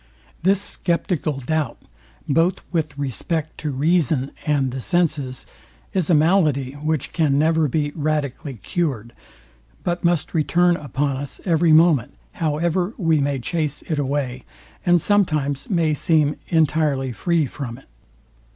This sceptical doubt, both with respect to reason and the senses, is a malady, which can never be radically cured, but must return upon us every moment, however we may chace it away, and sometimes may seem entirely free from it.